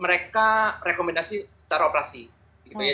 mereka rekomendasi secara operasi gitu ya